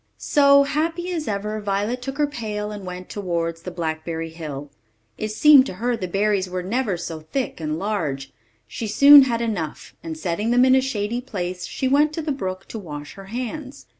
So, happy as ever, Violet took her pail and went towards the blackberry hill. It seemed to her the berries were never so thick and large; she soon had enough, and setting them in a shady place, she went to the brook to wash her hands.